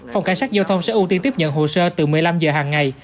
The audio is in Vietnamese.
phòng cảnh sát giao thông sẽ ưu tiên tiếp nhận hồ sơ từ một mươi năm giờ hàng ngày